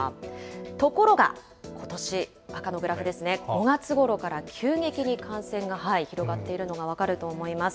ところがことし、赤のグラフですね、５月ごろから急激に感染が広がっているのが分かると思います。